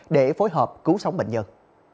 để phối hợp cứu sống bệnh nhân